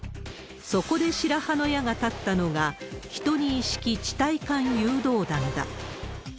そこで白羽の矢が立ったのが、１２式地対艦誘導弾だ。